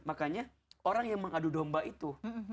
makanya orang yang mengadu domba itu